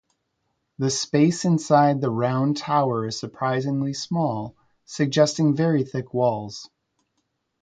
The space inside the round tower is surprisingly small, suggesting very thick walls.